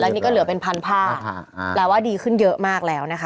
นี่ก็เหลือเป็นพันผ้าแปลว่าดีขึ้นเยอะมากแล้วนะคะ